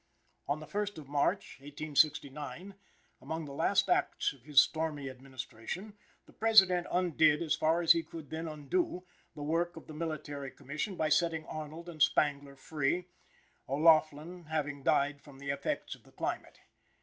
On the 1st of March, 1869, among the last acts of his stormy administration, the President undid, as far as he could then undo, the work of the Military Commission by setting Arnold and Spangler free; O'Laughlin having died from the effects of the climate.